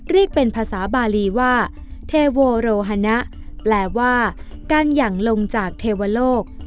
เรียกเป็นภาษาบาลีว่าเทโวโรฮนะแปลว่าการหยั่งลงจากเทวโลก